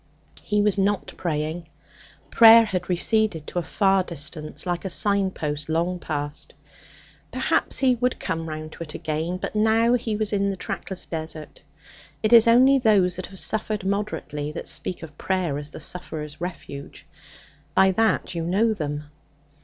He was not praying. Prayer had receded to a far distance, like a signpost long passed. Perhaps he would come round to it again; but now he was in the trackless desert. It is only those that have suffered moderately that speak of prayer as the sufferer's refuge. By that you know them.